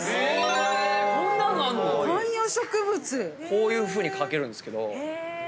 こういうふうに掛けるんですけど。